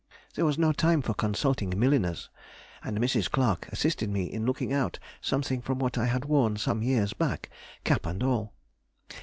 There was no time for consulting milliners, and Mrs. Clarke assisted me in looking out something from what I had worn some years back, cap and all.